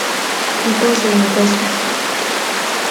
Tipos de encuestas.